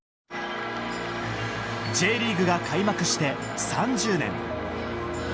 Ｊリーグが開幕して３０年。